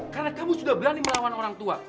karena kamu sudah berani melawan orang tua